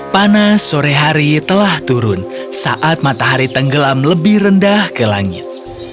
panas sore hari telah turun saat matahari tenggelam lebih rendah ke langit